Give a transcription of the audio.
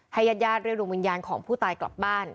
ญาติญาติเรียกดวงวิญญาณของผู้ตายกลับบ้าน